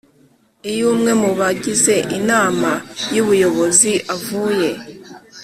Iyo umwe mu bagize inama y ubuyobozi avuye